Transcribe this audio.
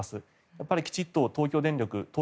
やっぱりきちんと東京電力